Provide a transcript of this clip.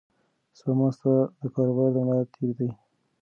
سپما ستا د کاروبار د ملا تیر دی.